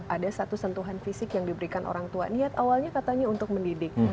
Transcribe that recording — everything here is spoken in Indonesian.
ada satu sentuhan fisik yang diberikan orang tua niat awalnya katanya untuk mendidik